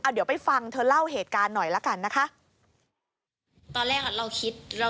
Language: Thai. เดี๋ยวไปฟังเธอเล่าเหตุการณ์หน่อยละกันนะคะ